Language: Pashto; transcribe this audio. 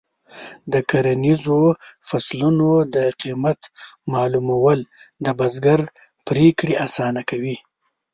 د کرنیزو فصلونو د قیمت معلومول د بزګر پریکړې اسانه کوي.